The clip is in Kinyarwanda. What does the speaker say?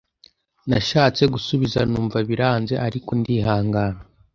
nashatse gusubiza numva biranze ariko ndihangana